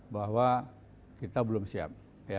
bahwa kita belum siap